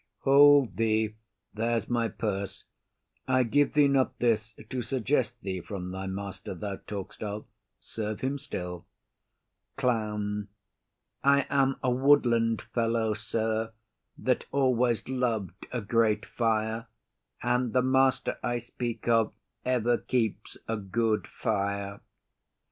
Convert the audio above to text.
Hold thee, there's my purse. I give thee not this to suggest thee from thy master thou talk'st of; serve him still. CLOWN. I am a woodland fellow, sir, that always loved a great fire, and the master I speak of ever keeps a good fire.